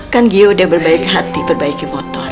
kan gio udah berbaik hati perbaiki motor